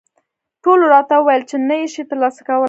ټولو راته وویل چې نه یې شې ترلاسه کولای.